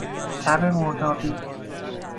تب مردابی